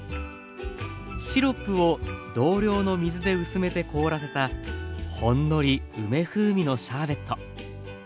シロップを同量の水で薄めて凍らせたほんのり梅風味のシャーベット。